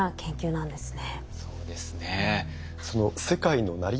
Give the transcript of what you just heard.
そうですね。